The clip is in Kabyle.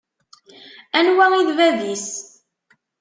Anwa i d bab-is?